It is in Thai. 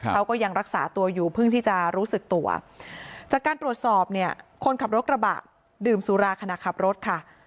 เขาก็ยังรักษาตัวอยู่เพิ่งที่จะรู้สึกตัวจากการตรวจสอบเนี่ยคนขับรถกระบะดื่มสุราขณะขับรถค่ะ